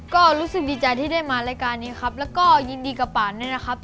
ก็รู้สึกดีใจที่ได้มารายการนี้ครับแล้วก็ยินดีกับป่านด้วยนะครับ